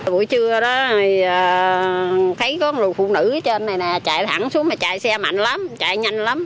mình thấy có một lùi phụ nữ ở trên này nè chạy thẳng xuống mà chạy xe mạnh lắm chạy nhanh lắm